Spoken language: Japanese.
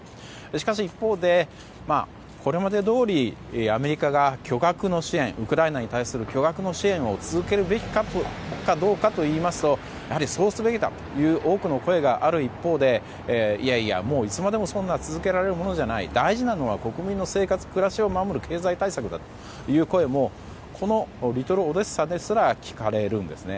しかし、一方でこれまでどおりアメリカがウクライナに対する巨額の支援を続けるべきかどうかといいますとやはりそうすべきだという多くの声がある一方でいやいや、もういつまでもそんなのは続けられるものじゃない大事なのは国民の生活、暮らしを守る経済対策だという声もこのリトル・オデッサですら聞かれるんですね。